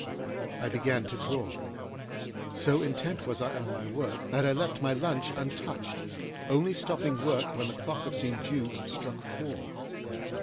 I began to draw. So intent was I on my work that I left my lunch untouched, only stopping work when the clock of St. Jude's struck four.